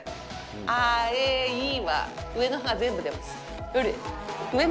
あえいは上の歯、全部出ます。